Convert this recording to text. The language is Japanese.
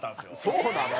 そうなの？